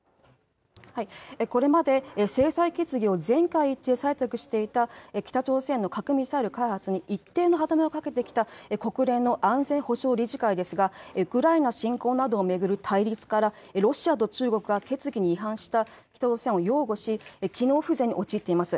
これまで制裁決議を全会一致で採択していた北朝鮮の核・ミサイル開発に一定の歯止めをかけてきた国連の安全保障理事会ですがウクライナ侵攻などを巡る対立からロシアと中国が決議に違反した北朝鮮を擁護し機能不全に陥っています。